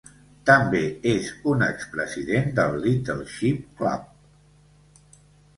També és un expresident del Little Ship Club.